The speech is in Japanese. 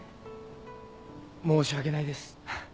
申し訳ないです。